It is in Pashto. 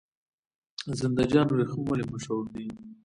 زنده جان وریښم ولې مشهور دي؟